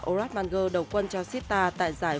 orat manger đầu quân cho sita tại giải